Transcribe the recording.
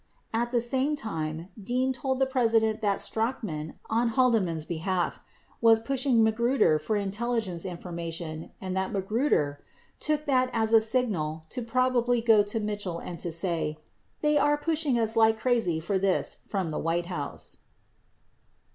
At the same time Dean also told the President that Strachan, on Haldeman's behalf, was pushing Magruder for intelli gence information and that Magruder "took that as a signal to prob ably go to Mitchell and to say, 'They are pushing us like crazy for this from the White House.